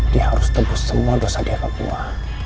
dia harus tebus semua dosa dia ke gua